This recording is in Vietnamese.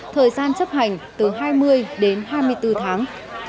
thời gian chấp hành từ hai mươi đến hai mươi bốn tháng